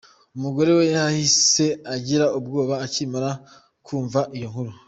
Umugore we yahise agira ubwoba akimara kumva iyo nkuru.